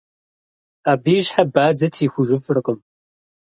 Абы и щхьэ бадзэ трихужыфыркъым.